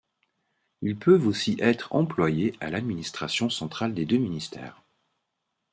Ils peuvent aussi être employés à l'administration centrale des deux ministères.